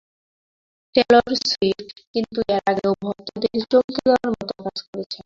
Taylor Swift কিন্তু এর আগেও ভক্তদের চমকে দেওয়ার মতো কাজ করেছেন।